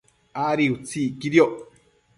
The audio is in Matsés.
Adi utsi iquidioc